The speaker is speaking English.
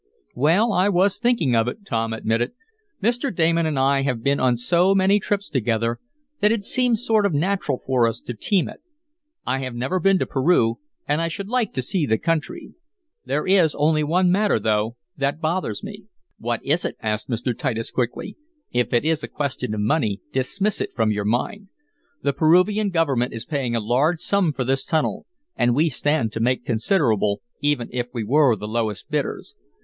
"Well, I was thinking of it," Tom admitted. "Mr. Damon and I have been on so many trips together that it seems sort of natural for us to 'team it.' I have never been to Peru, and I should like to see the country. There is only one matter though, that bothers me." "What is it?" asked Mr. Titus quickly. "If it is a question of money dismiss it from your mind. The Peruvian government is paying a large sum for this tunnel, and we stand to make considerable, even if we were the lowest bidders.